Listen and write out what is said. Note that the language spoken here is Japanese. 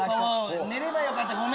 寝ればよかった。